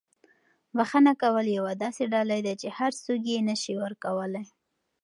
بښنه کول یوه داسې ډالۍ ده چې هر څوک یې نه شي ورکولی.